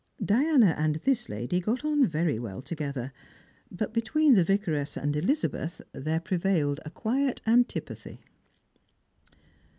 Diana and this lady got on very well together, but between the Vicaress and Elizabeth there prevailed a quiet antipathy.